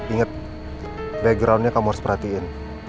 ingat background nya kamu harus perhatiin